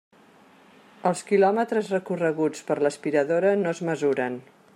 Els quilòmetres recorreguts per l'aspiradora no es mesuren.